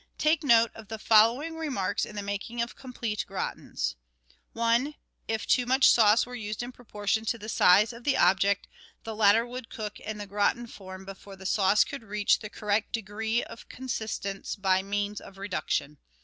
Take note of the following remarks in the making of complete gratins :— 1. If too much sauce were used in proportion to the size of the object, the latter would cook and the gratin form before the sauce could reach the correct degree of consistence by means of reduction.